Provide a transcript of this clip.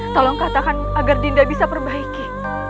tolong katakan agar dinda bisa perbaiki